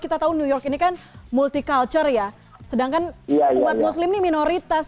kita tahu new york ini kan multi culture ya sedangkan umat muslim ini minoritas